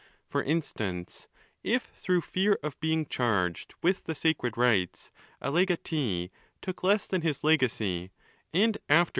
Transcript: For instance,—if through fear of being charged with the sacred rites, a legatee took less than his legacy, and after